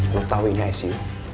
lo tau ini icu